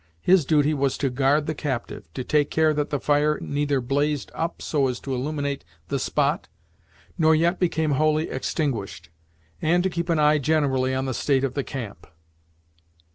His duty was to guard the captive, to take care that the fire neither blazed up so as to illuminate the spot, nor yet became wholly extinguished, and to keep an eye generally on the state of the camp.